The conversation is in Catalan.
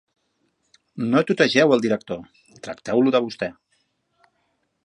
No tutegeu el director: tracteu-lo de vostè.